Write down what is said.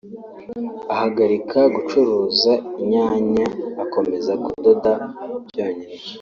ahagarika gucuruza inyanya akomeza kudoda byonyine